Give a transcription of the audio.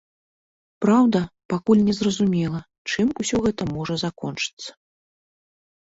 Праўда, пакуль не зразумела, чым усё гэта можа закончыцца.